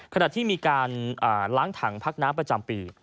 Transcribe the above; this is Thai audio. ขณะที่มีการล้างถังพักน้ำประจำปี